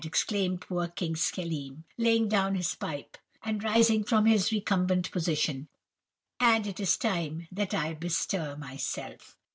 exclaimed poor King Schelim, laying down his pipe, and rising from his recumbent position; 'and it is time that I bestir myself.